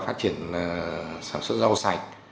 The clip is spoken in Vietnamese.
phát triển sản xuất rau sạch